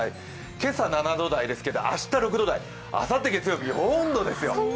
今朝７度台ですけど、明日６度台あさって月曜日、４度ですよ。